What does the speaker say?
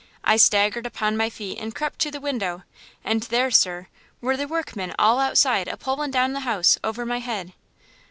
I staggered upon my feet and crept to the window, and there, sir, were the workmen all outside a pulling down the house over my head!"